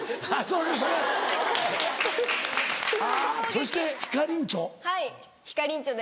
そしてひかりんちょ。